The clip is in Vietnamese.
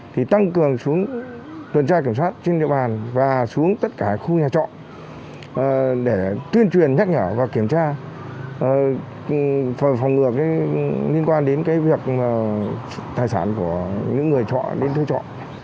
thì tăng cường xuống tuần tra kiểm soát trên địa bàn và xuống tất cả khu nhà trọ để tuyên truyền nhắc nhở và kiểm tra phòng ngừa liên quan đến cái việc tài sản của những người trọ đến thuê trọ